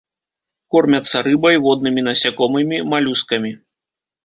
Кормяцца рыбай, воднымі насякомымі, малюскамі.